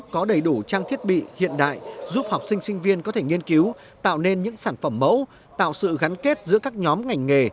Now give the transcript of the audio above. có đầy đủ trang thiết bị hiện đại giúp học sinh sinh viên có thể nghiên cứu tạo nên những sản phẩm mẫu tạo sự gắn kết giữa các nhóm ngành nghề